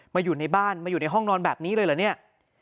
อยู่ในบ้านมาอยู่ในห้องนอนแบบนี้เลยเหรอเนี่ย